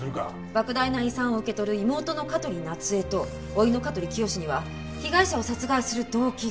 莫大な遺産を受け取る妹の香取夏江と甥の香取清には被害者を殺害する動機がある。